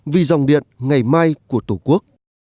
vì dòng điện ngày mai của tổ quốc